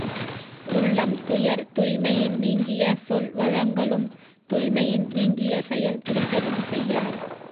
உள்ளம் தூயர், துய்மையின் நீங்கிய சொல் வழங்கலும், தூய்மையின் நீங்கிய செயல் புரிதலும் செய்யார்.